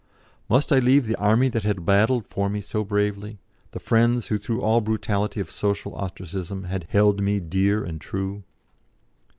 Must I leave the army that had battled for me so bravely, the friends who through all brutality of social ostracism had held me dear and true?